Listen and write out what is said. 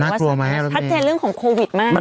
หน้าศัลเตรงเรื่องของโควิดมากเลย